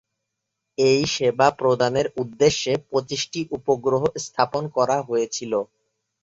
এই সেবা প্রদানের উদ্দেশ্যে পঁচিশটি উপগ্রহ স্থাপন করা হয়েছিল।